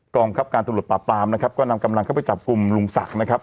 งครับการตำรวจปราบปรามนะครับก็นำกำลังเข้าไปจับกลุ่มลุงศักดิ์นะครับ